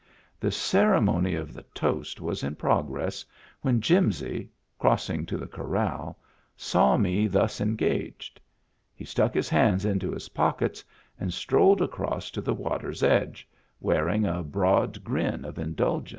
The ceremony of the toast was in progress when Jimsy, crossing to the corral, saw me thus engaged. He stuck his hands into his pockets and strolled across to the water's edge, wearing a broad grin of indulgence.